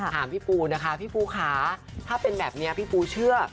ถามพี่ปูนะคะพี่ปูค่ะถ้าเป็นแบบนี้พี่ปูเชื่อ